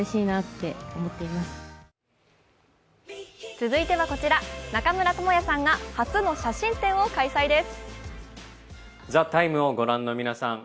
続いてはこちら、中村倫也さんが初の写真展を開催です。